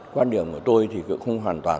quan điểm của tôi thì cũng không hoàn toàn